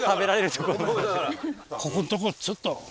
ここんとこちょっと。